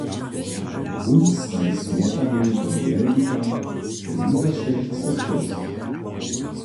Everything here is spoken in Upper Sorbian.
Wón staji smjetanu do wjelbika a lizaše sej porsty.